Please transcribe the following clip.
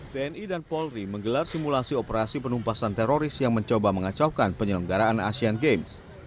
tni dan polri menggelar simulasi operasi penumpasan teroris yang mencoba mengacaukan penyelenggaraan asean games